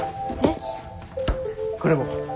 これも。